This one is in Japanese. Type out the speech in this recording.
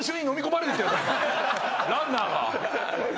ランナーが。